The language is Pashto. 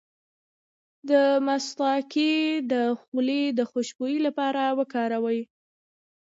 د مصطکي د خولې د خوشبو لپاره وکاروئ